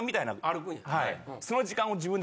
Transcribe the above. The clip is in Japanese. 歩くんやな。